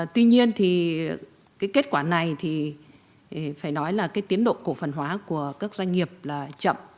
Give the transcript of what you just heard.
tuy nhiên kết quả này thì phải nói là tiến độ cổ phần hóa của các doanh nghiệp chậm